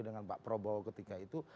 dengan pak prabowo ketika itu